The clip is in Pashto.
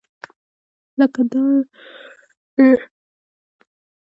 لکه دای چې و.